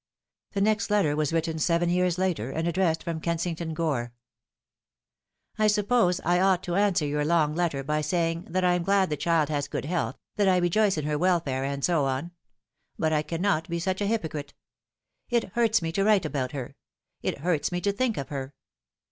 The next letter was written seven years later, and addressed from Kensington Gore :" I suppose I ought to answer your long letter by saying that I am glad the child has good health, that I rejoice in her welfare, and so on. But I cannot be such a hypocrite. It hurts me to write about her ; it hurts me to think of her.